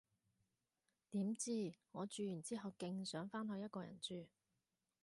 點知，我住完之後勁想返去一個人住